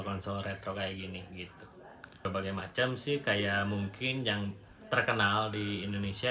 konsol redco kayak gini gitu berbagai macam sih kayak mungkin yang terkenal di indonesia